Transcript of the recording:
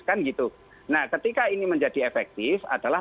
nah ketika ini menjadi efektif adalah